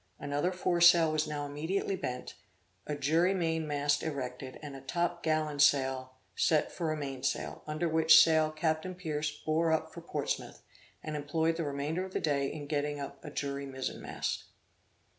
Another foresail was now immediately bent, a jury mainmast erected and a top gallantsail set for a mainsail, under which sail Captain Pierce bore up for Portsmouth, and employed the remainder of the day in getting up a jury mizen mast.